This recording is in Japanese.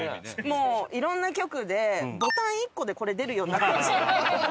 もういろんな局でボタン１個でこれ出るようになってますよ。